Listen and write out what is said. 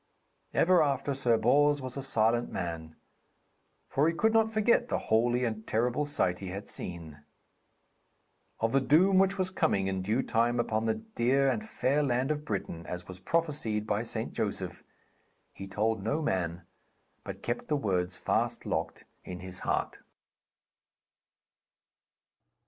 Ever after Sir Bors was a silent man, for he could not forget the holy and terrible sight he had seen. Of the doom which was coming in due time upon the dear and fair land of Britain, as was prophesied by St. Joseph, he told no man, but kept the words fast locked in his heart.